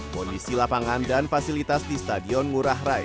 kondisi lapangan dan fasilitas di stadion ngurah rai